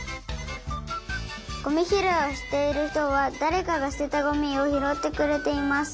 ゴミひろいをしているひとはだれかがすてたゴミをひろってくれています。